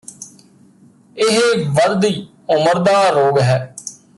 ਇਹ ਵਧਦੀ ਉਮਰ ਦਾ ਰੋਗ ਹੈ